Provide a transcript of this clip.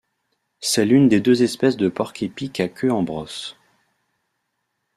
C'est l'une des deux espèces de porc-épics à queue en brosse.